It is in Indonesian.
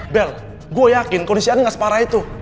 bel gue yakin kondisi ani ga separah itu